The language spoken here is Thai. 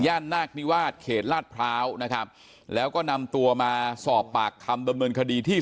นาคนิวาสเขตลาดพร้าวนะครับแล้วก็นำตัวมาสอบปากคำดำเนินคดีที่